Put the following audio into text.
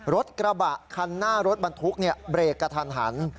รถกระบะคันหน้ารถบรรทุกเบรกกระทันหัน